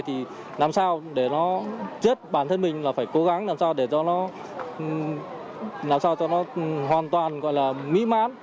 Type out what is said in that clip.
thì làm sao để nó giết bản thân mình là phải cố gắng làm sao để cho nó hoàn toàn mỹ mát